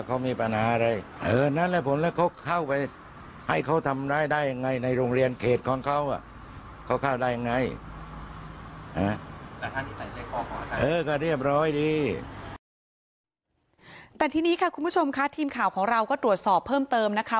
แต่ทีนี้ค่ะคุณผู้ชมค่ะทีมข่าวของเราก็ตรวจสอบเพิ่มเติมนะคะ